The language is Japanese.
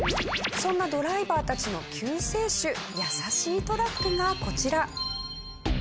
そんなドライバーたちの救世主優しいトラックがこちら。